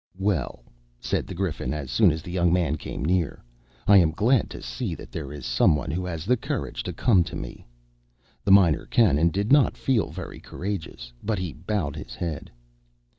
"Well," said the Griffin, as soon as the young man came near, "I am glad to see that there is some one who has the courage to come to me." The Minor Canon did not feel very courageous, but he bowed his head.